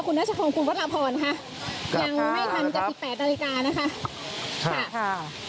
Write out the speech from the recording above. คุณนัชคงคุณพระพรค่ะยังไม่ทันกับอีกแปดนาฬิกานะคะค่ะ